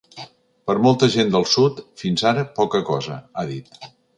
“Per molta gent del sud, fins ara, poca cosa”, ha dit.